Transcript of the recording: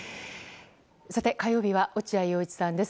さて、火曜日は落合陽一さんです。